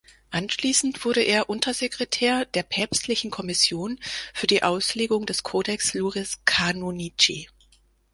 Anschließend wurde er Untersekretär der Päpstlichen Kommission für die Auslegung des Codex Iuris Canonici.